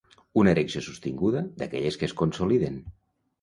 Una erecció sostinguda, d'aquelles que es consoliden.